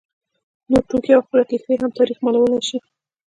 نور توکي او خپله کښتۍ هم تاریخ معلومولای شي